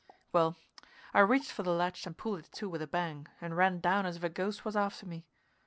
Well, I reached for the latch and pulled it to with a bang and ran down as if a ghost was after me.